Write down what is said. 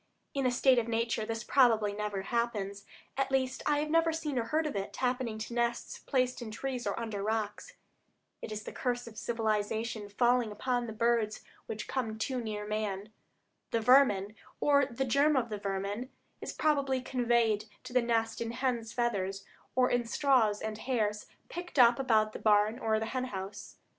In a state of nature this probably never happens; at least I have never seen or heard of it happening to nests placed in trees or under rocks. It is the curse of civilization falling upon the birds which come too near man. The vermin, or the germ of the vermin, is probably conveyed to the nest in hen's feathers, or in straws and hairs picked up about the barn or hen house.